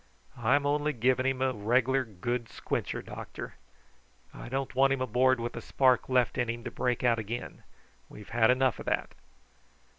"I'm only giving him a reg'lar good squencher, doctor. I don't want him aboard with a spark left in him to break out again: we've had enough of that.